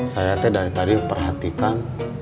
saya dari tadi perhatikan